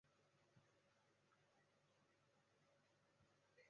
舍利街道是中国黑龙江省哈尔滨市阿城区下辖的一个街道。